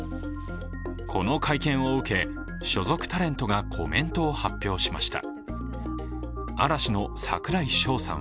この会見を受け、所属タレントがコメントを発表しました。